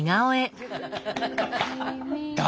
誰！？